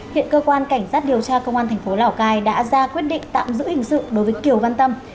hiện cơ quan cảnh sát điều tra công an thành phố lào cai đã ra quyết định tạm giữ hình sự đối với kiều văn tâm